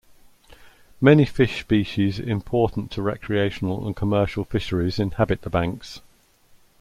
Many fish species important to recreational and commercial fisheries inhabit the banks.